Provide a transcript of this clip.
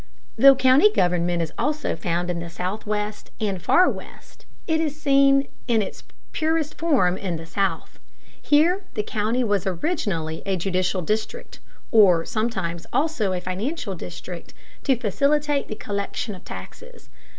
Though county government is also found in the Southwest and Far West, it is seen in its purest form in the South. Here the county was originally a judicial district, or sometimes also a financial district to facilitate the collection of taxes.